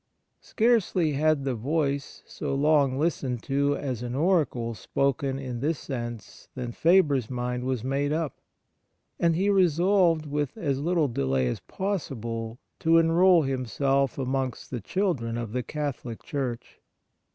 Scarcely had the voice so long listened to as an oracle spoken in this sense than Faber's mind was made up, and he* re solved with as little delay as possible to enrol himself amongst the children of the Catholic Church.